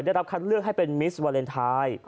ได้รับคัดเลือกให้เป็นมิสวาเลนไทย